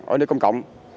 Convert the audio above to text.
ở nơi công cộng